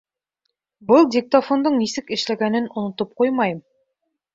Был диктофондың нисек эшләгәнен онотоп ҡуймайым.